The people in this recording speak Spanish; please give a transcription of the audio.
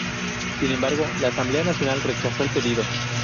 Sin embargo, la Asamblea Nacional rechazó el pedido.